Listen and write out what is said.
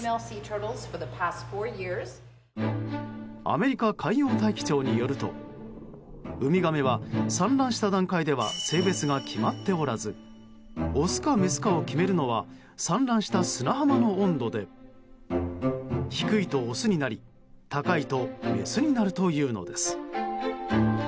アメリカ海洋大気庁によるとウミガメは、産卵した段階では性別が決まっておらずオスかメスか決めるのは産卵した砂浜の温度で低いとオスになり高いとメスになるというのです。